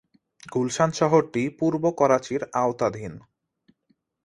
গুলশান শহরটি পূর্ব করাচির আওতাধীন।